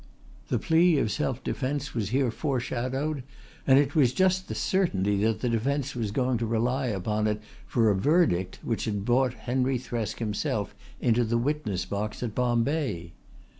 The plea of self defence was here foreshadowed and it was just the certainty that the defence was going to rely upon it for a verdict which had brought Henry Thresk himself into the witness box at Bombay.